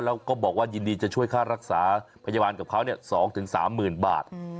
แล้วก็บอกว่ายินดีจะช่วยค่ารักษาพยาบาลกับเขา๒๓๐๐๐บาท